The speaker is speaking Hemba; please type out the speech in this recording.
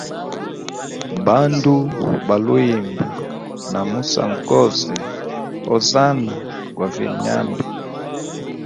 Bandu baliuyimba na musangu gose hozana gwa vilyenyambi.